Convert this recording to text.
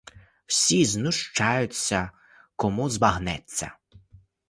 Всі знущаються, кому забагнеться.